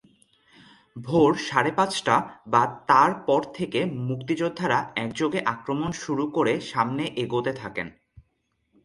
ভোর সাড়ে পাঁচটা বা তার পর থেকে মুক্তিযোদ্ধারা একযোগে আক্রমণ শুরু করে সামনে এগোতে থাকেন।